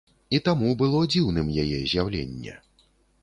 І таму было дзіўным яе з'яўленне.